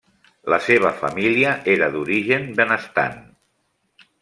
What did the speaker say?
La seva família era d'origen benestant.